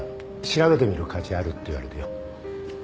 調べてみる価値あるって言われてよ。